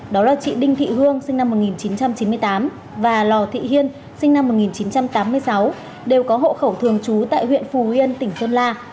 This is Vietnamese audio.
đó là chị đinh thị hương sinh năm một nghìn chín trăm chín mươi tám và lò thị hiên sinh năm một nghìn chín trăm tám mươi sáu đều có hộ khẩu thường trú tại huyện phù yên tỉnh sơn la